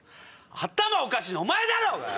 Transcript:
頭おかしいのはお前だろうがよ‼